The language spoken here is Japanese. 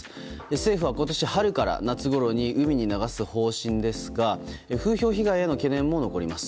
政府は今年春から夏ごろに海に流す方針ですが風評被害への懸念も残ります。